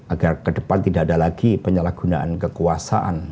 agar kedepan tidak ada lagi penyalahgunaan kekuasaan